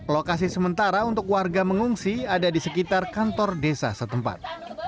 lokasi sementara untuk warga mengungsi ada di sekitar kantor desa setempat